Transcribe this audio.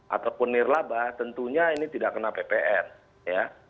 ataupun nirlaba tentunya ini tidak kena ppn ya